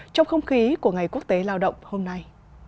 trong không khí của ngày quốc tế lao động hôm nay